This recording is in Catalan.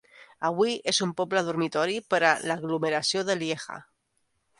Avui és un poble dormitori per a l'aglomeració de Lieja.